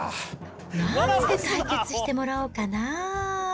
なんで対決してもらおうかな。